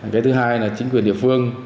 cái thứ hai là chính quyền địa phương